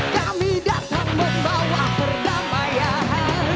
kami datang membawa perdamaian